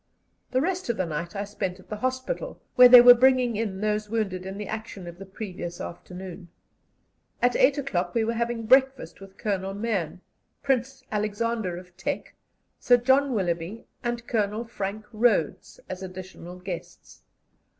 The rest of the night I spent at the hospital, where they were bringing in those wounded in the action of the previous afternoon. At eight o'clock we were having breakfast with Colonel Mahon, Prince Alexander of Teck, Sir John Willoughby, and Colonel Frank Rhodes, as additional guests.